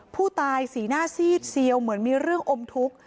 ผู้ตายสีหน้าซีดเซียวเหมือนมีเรื่องอมทุกข์